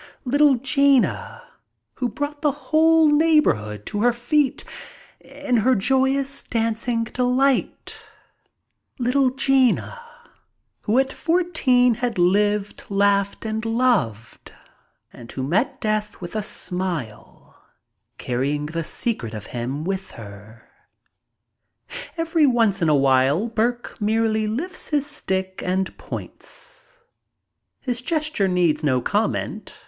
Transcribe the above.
Little Gina, who brought the whole neighborhood to her feet in her joyous dancing delight. Little Gina, who at fourteen had lived, laughed, and loved, and who met death with a smile, carrying the secret of him with her. Every once in a while Burke merely lifts his stick and points. His gesture needs no comment.